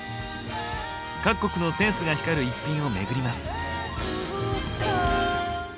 各国のセンスが光る逸品をめぐります。